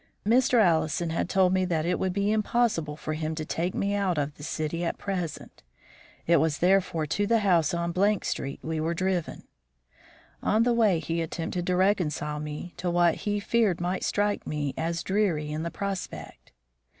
Mr. Allison had told me that it would be impossible for him to take me out of the city at present. It was therefore to the house on Street we were driven. On the way he attempted to reconcile me to what he feared might strike me as dreary in the prospect.